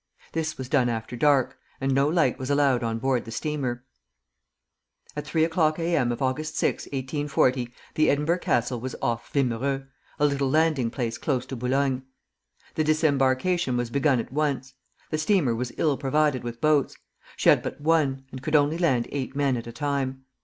This was done after dark, and no light was allowed on board the steamer. At three o'clock A. M. of Aug. 6, 1840, the "Edinburgh Castle" was off Wimereux, a little landing place close to Boulogne. The disembarkation was begun at once. The steamer was ill provided with boats. She had but one, and could only land eight men at a time.